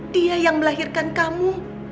dia yang melahirkan kamu